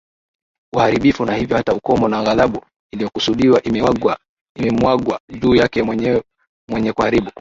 uharibifu na hivyo hata ukomo na ghadhabu iliyokusudiwa imemwagwa juu yake mwenye kuharibu